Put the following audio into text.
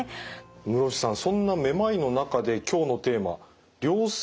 室伏さんそんなめまいの中で今日のテーマ良性